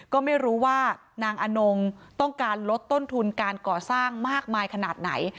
ก็ไม่รู้ว่านางอนงต้องการลดต้นทุนการก่อสร้างมากมายขนาดไหน